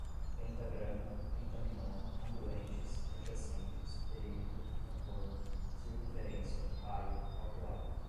pentagrama, pentaminó, congruentes adjacentes, perímetro, contorno, circunferência, raio, calculado